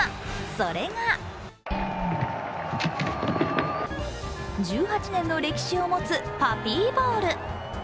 それが１８年の歴史を持つパピーボウル。